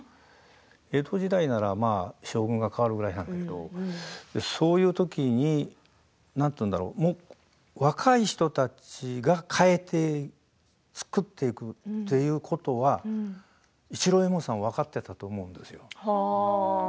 江戸時代なら将軍が変わるぐらいなんだけどそういうときに若い人たちが変えて作っていくということは市郎右衛門さん分かっていたと思うんですよ。